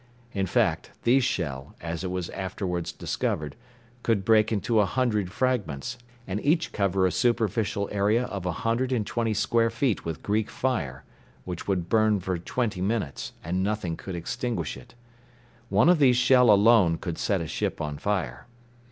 In fact, these shell, as it was afterwards discovered, could break into a hundred fragments, and each cover a superficial area of a hundred and twenty square feet with Greek fire, which would burn for twenty minutes, and nothing could extinguish it. One of these shell alone could set a ship on fire.